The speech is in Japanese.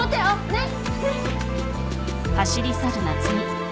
ねっ。